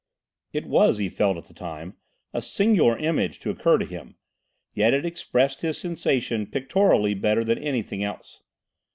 It was, he felt at the time, a singular image to occur to him, yet it expressed his sensation pictorially better than anything else.